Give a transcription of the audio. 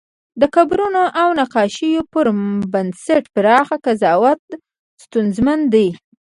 د قبرونو او نقاشیو پر بنسټ پراخ قضاوت ستونزمن دی.